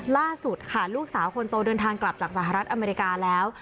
ล่าสุดค่ะลูกสาวคนโตเดินทางกลับจากสหรัฐอเมริกาแล้ว